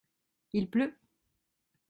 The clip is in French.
Il pleut ?